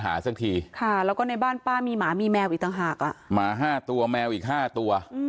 หรือเยอะมากกว่าแมวต์อีก๕ตัว